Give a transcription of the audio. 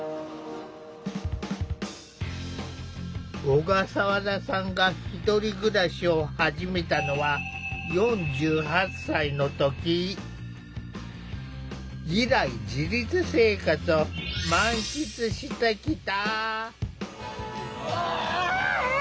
小笠原さんが１人暮らしを始めたのは以来自立生活を満喫してきた。